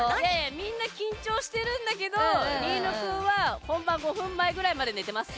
みんな緊張してるんだけど莉犬くんは本番５分前ぐらいまで寝てます。